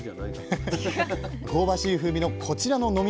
香ばしい風味のこちらの飲みもの。